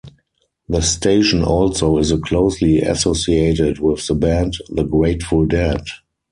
The station also is closely associated with the band The Grateful Dead.